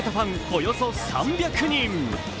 およそ３００人。